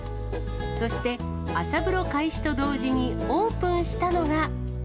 そして、朝風呂開始と同時にオープンしたのが。